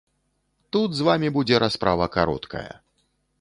Тут з вамі будзе расправа кароткая.